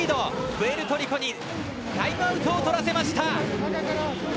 プエルトリコにタイムアウトをとらせました。